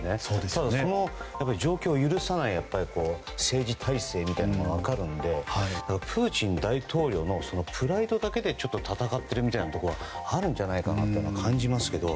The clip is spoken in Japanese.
ただ、その状況を許さない政治体制みたいなのが分かるのでプーチン大統領のプライドだけで戦っているみたいなところがあるんじゃないかと感じますけど。